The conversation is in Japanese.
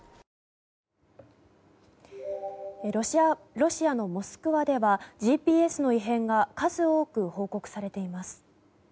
ロシアのモスクワではＧＰＳの異変が数多く報告されています。